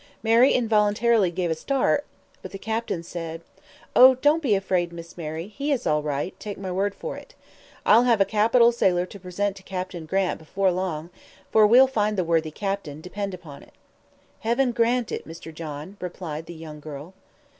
Mary involuntarily gave a start, but the captain said: "Oh, don't be afraid, Miss Mary; he is all right, take my word for it; I'll have a capital sailor to present to Captain Grant before long, for we'll find the worthy captain, depend upon it." "Heaven grant it, Mr. John," replied the young girl.